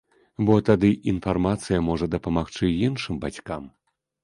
Бо тады інфармацыя можа дапамагчы іншым бацькам.